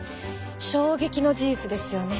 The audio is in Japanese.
衝撃の事実ですよね。